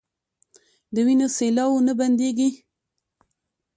د وينو سېلاوو نه بنديږي